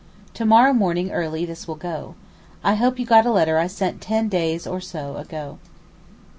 To morrow morning early this will go. I hope you got a letter I sent ten days or so ago.